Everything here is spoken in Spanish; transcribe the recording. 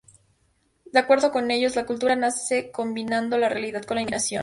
De acuerdo con ellos, la cultura nace combinando la realidad con la imaginación.